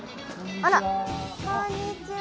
あらこんにちは。